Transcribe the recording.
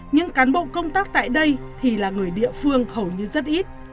những cán bộ công tác tại đây thì là người địa phương hầu như rất ít